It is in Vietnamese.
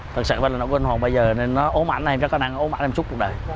thật sự là nỗi quên hồn bây giờ nó ốm ảnh này nó có năng ốm ảnh đêm suốt cuộc đời